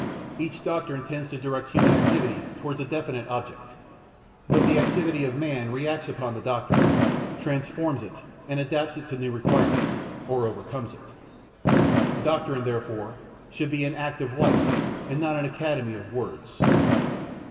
Each doctrine tends to direct human activity towards a definite object; but the activity of man reacts upon the doctrine, transforms it and adapts it to new requirements, or overcomes it. Doctrine therefore should be an act of life and not an academy of words.